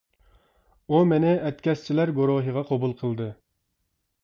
ئۇ مېنى ئەتكەسچىلەر گۇرۇھىغا قوبۇل قىلدى.